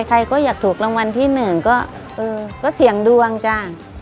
ใครก็อยากถูกรางวัลที่หนึ่งก็เออก็เสี่ยงดวงจ้า